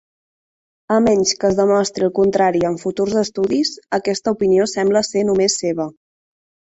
A menys que es demostri el contrari en futurs estudis, aquesta opinió sembla ser només seva.